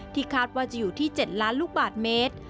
คาดว่าจะอยู่ที่๗ล้านลูกบาทเมตร